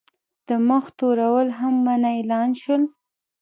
د مخ تورول هم منع اعلان شول.